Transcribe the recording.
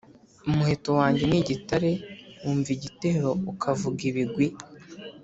Umuheto wanjye ni igitare wumva igitero ukavuga ibigwi,